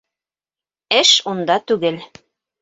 Эш унда түгел.